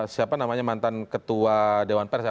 siapa namanya mantan ketua dewan pers